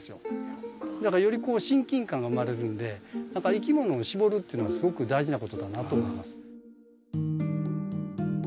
だからより親近感が生まれるんで何かいきものをしぼるっていうのはすごく大事なことだなと思います。